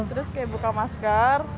terus kayak buka masker